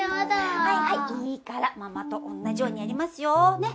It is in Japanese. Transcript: はいはいいいからママとおんなじようにやりますよねっ。